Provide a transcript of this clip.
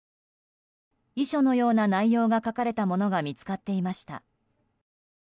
遺書のような内容が書かれたものが見つかっていました。